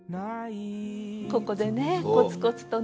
ここでねコツコツとね。